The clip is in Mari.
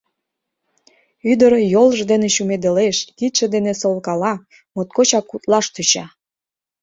Ӱдыр йолжо дене чумедылеш, кидше дене солкала — моткочак утлаш тӧча.